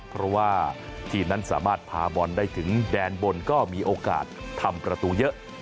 เพราะว่าทีมนั้นสามารถพาบอลได้ถึงแดนบนก็มีโอกาสทำประตูเยอะ